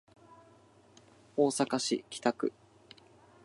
大阪市北区